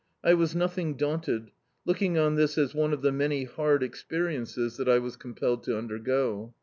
I was nothing daunted, looking on this as one of the many hard experiences diat I was ctxnpelled to imdergo.